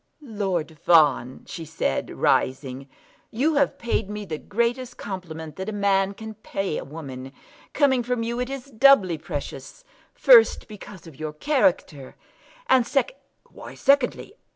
"Lord Fawn," she said, rising, "you have paid me the greatest compliment that a man can pay a woman. Coming from you it is doubly precious; first, because of your character; and secondly " "Why secondly?"